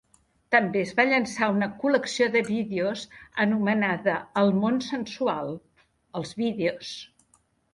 També es va llançar una col·lecció de vídeos anomenada "El Món Sensual: els Vídeos".